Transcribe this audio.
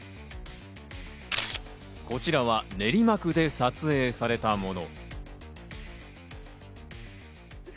こちらは練馬区で撮影されたもの。